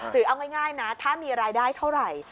เอาง่ายนะถ้ามีรายได้เท่าไหร่